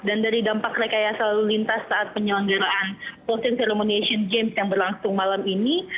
dari dampak rekayasa lalu lintas saat penyelenggaraan position ceremon asian games yang berlangsung malam ini